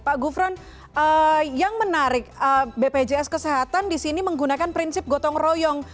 pak gufron yang menarik bpjs kesehatan di sini menggunakan prinsip gotong royong